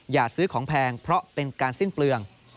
อย่าซื้อของแพงเพราะเป็นการสิ้นเปลือง